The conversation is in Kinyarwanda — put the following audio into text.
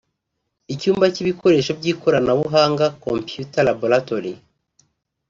icyumba cy’ibikoresho by’ikoranabuhanga (computer laboratory)